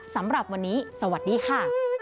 สำหรับวันนี้สวัสดีค่ะ